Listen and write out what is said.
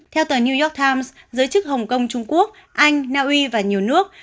theo tờ new york times giới chức hồng kông trung quốc anh naui và nhiều nước